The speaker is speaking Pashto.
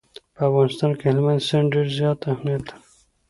په افغانستان کې هلمند سیند ډېر زیات اهمیت لري.